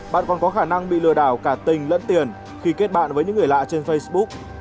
bạn còn có khả năng bị lừa đảo cả tình lẫn tiền khi kết bạn với những người lạ trên facebook